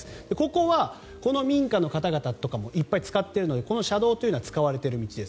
ここは、この民家の方々とかもいっぱい使っているのでこの車道は使われている道です。